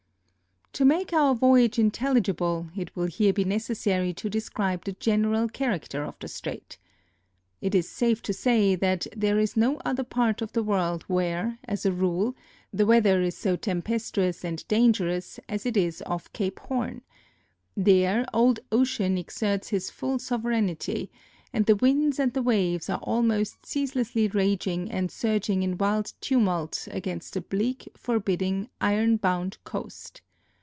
To make our voyage intelligible it will here be necessar}^ to describe the general character of the strait. It is safe to say that there is no other part of the Avorld where, as a rule, tlie weather is so tempestuous and dangerous as it is off Cape Horn. There old Ocean exerts his full sovereignt3^ and the winds and the waves are almost ceaselessly raging and surging in wild tumult against a bleak, forbidding, iron bound coast.